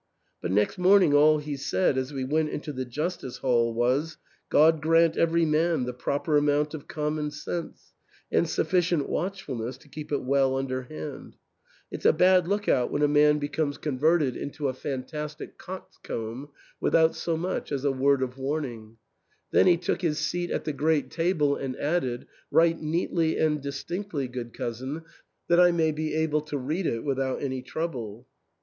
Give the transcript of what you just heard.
But next morn ing all he said, as we went into the justice hall, was, " God grant every man the proper amount of common sense, and sufficient watchfulness to keep it well under hand. It's a bad look out when a man becomes con THE ENTAIL. 239 verted into a antastic coxcomb without so much as a word of warning." Then he took his seat at the great table and added, "Write neatly and distinctly, good cousin, that I may be able to read it without any trouble."